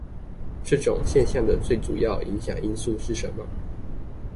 這種現象的最主要影響因素是什麼？